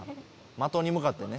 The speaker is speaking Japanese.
的に向かってね。